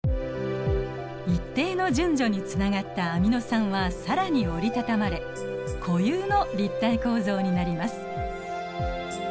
一定の順序につながったアミノ酸は更に折り畳まれ固有の立体構造になります。